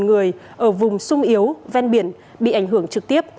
bốn mươi bảy người ở vùng sung yếu ven biển bị ảnh hưởng trực tiếp